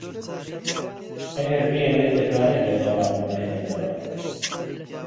ئەگەر بیەوێت دەتوانێت لەگەڵمان بمێنێتەوە.